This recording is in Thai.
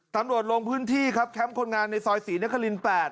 ตำรวจลงพื้นที่ครับแคมป์คนงานในซอย๔นครินทร์๘